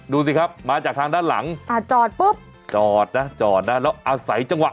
ดูสิครับมาจากทางด้านหลังอ่าจอดปุ๊บจอดนะจอดนะแล้วอาศัยจังหวะ